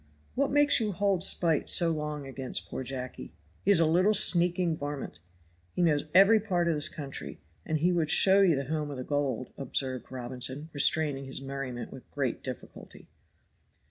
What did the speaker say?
"What makes you hold spite so long against poor Jacky?" "He is a little sneaking varmint." "He knows every part of this country, and he would show you 'the home of the gold,'" observed Robinson, restraining his merriment with great difficulty.